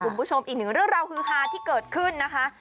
คุณผู้ชมอีกหนึ่งเรื่องราวฮือฮาที่เกิดขึ้นนะคะ